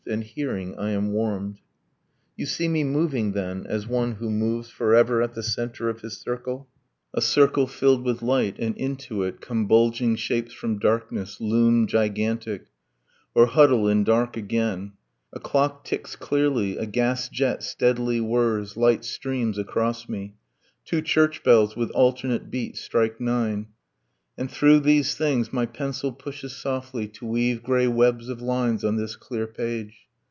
... And hearing, I am warmed. You see me moving, then, as one who moves Forever at the centre of his circle: A circle filled with light. And into it Come bulging shapes from darkness, loom gigantic, Or huddle in dark again. ... A clock ticks clearly, A gas jet steadily whirs, light streams across me; Two church bells, with alternate beat, strike nine; And through these things my pencil pushes softly To weave grey webs of lines on this clear page.